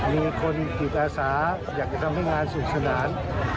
มีคนจิตอาสาอยากจะทำให้งานสุขสนาน